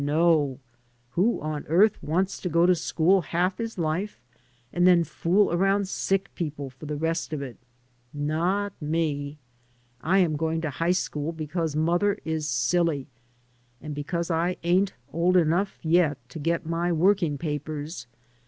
no. Who on earth wants to go to school half his life and then fool aroimd sick people for the rest of it? Not me. I am going to high school because mother is silly and because I ain't old enough yet to get my working papers.